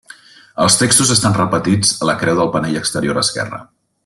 Els textos estan repetits a la creu del panell exterior esquerre.